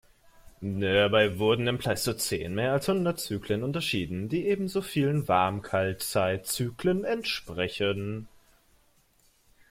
Dabei wurden im Pleistozän mehr als hundert Zyklen unterschieden, die ebenso vielen Warm-Kaltzeit-Zyklen entsprechen.